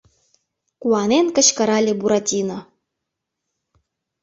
— куанен кычкырале Буратино.